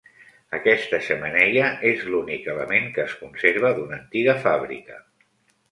Aquesta xemeneia és l'únic element que es conserva d'una antiga fàbrica.